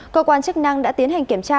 cơ quan chức năng đã tiến hành kiểm tra